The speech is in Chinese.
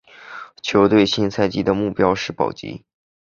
球队新赛季的目标是保级。